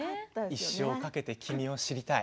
一生をかけて君を知りたい。